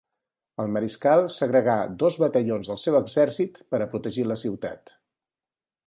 El mariscal segregà dos batallons del seu exèrcit per a protegir la ciutat.